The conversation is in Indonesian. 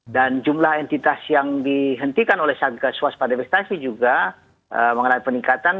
dan jumlah entitas yang dihentikan oleh satgas waspada investasi juga mengenai peningkatan